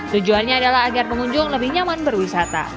tujuannya adalah agar pengunjung lebih nyaman berwisata